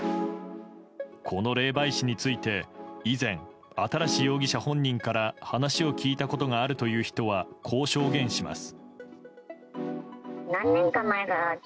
この霊媒師について以前、新容疑者本人から話を聞いたことがあるという人はこう証言します。